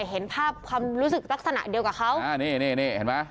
เห็นภาพความรู้สึกลักษณะเดียวกับเขา